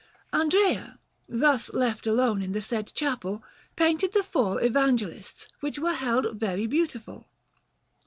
Panel_)] Andrea, thus left alone in the said chapel, painted the four Evangelists, which were held very beautiful.